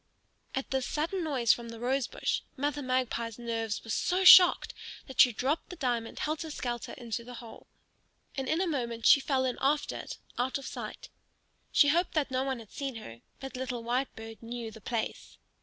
At this sudden noise from the rose bush Mother Magpie's nerves were so shocked that she dropped the diamond helter skelter into the hole. And in a moment she fell in after it, out of sight. She hoped that no one had seen her, but little Whitebird knew the place.